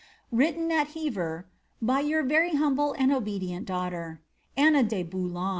Written at Hevar, by Your very humble and obedient daughter, Akxa db Bouu^v."